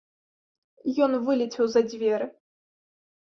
Ён вылецеў за дзверы.